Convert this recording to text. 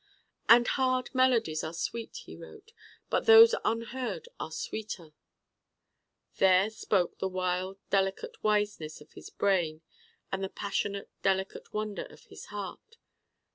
And 'Heard melodies are sweet,' he wrote, 'but those unheard are sweeter' There spoke the wild delicate wiseness of his brain and the passionate delicate wonder of his heart.